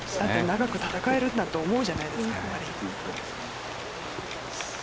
長く戦えるんだって思うじゃないですか。